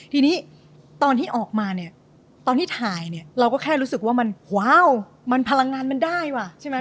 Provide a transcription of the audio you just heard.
ทีนี้ตอนที่ออกมาเนี่ยตอนที่ถ่ายเนี่ยเราก็แค่รู้สึกว่ามันว้าวมันพลังงานมันได้ว่ะใช่ไหม